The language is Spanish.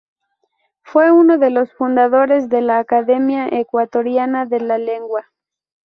Fue uno de los fundadores de la Academia Ecuatoriana de la Lengua.